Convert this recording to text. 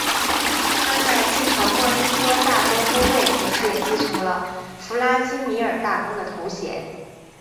他在继承莫斯科大公公位同时也继承了弗拉基米尔大公的头衔。